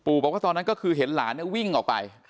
บอกว่าตอนนั้นก็คือเห็นหลานวิ่งออกไป